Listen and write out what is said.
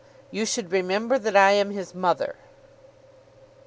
"YOU SHOULD REMEMBER THAT I AM HIS MOTHER."